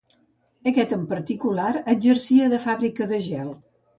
Aquest en particular exercia de fàbrica de gel.